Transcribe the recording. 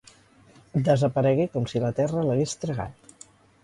Desaparegué com si la terra l'hagués tragat.